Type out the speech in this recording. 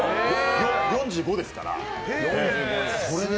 ４５ですから。